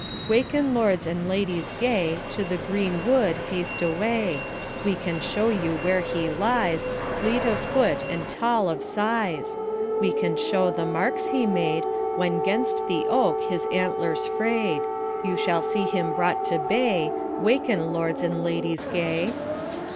Waken, lords and ladies gay, To the green wood haste away; We can show you where he lies, Fleet of foot and tall of size; We can show the marks he made, When 'gamst the oak his antlers frayed; You shall see him brought to bay, 'Waken, lords and ladies gay.'